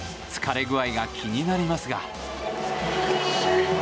疲れ具合が気になりますが。